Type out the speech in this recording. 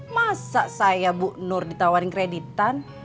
masa saya bu nur ditawarin kreditan